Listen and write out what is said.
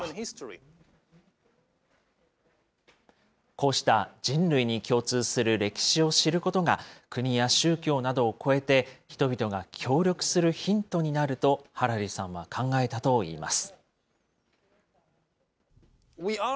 こうした人類に共通する歴史を知ることが、国や宗教などをこえて、人々が協力するヒントになるとハラリさんは考えたといいます。